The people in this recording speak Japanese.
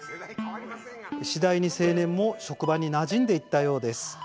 次第に、青年も職場になじんでいったようです。